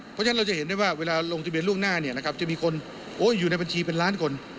เพราะฉะนั้นเราจะเห็นได้ว่าเวลาลงทะเบียนล่วงหน้าเนี่ยนะครับจะมีคนอยู่ในบัญชีเป็นล้านคน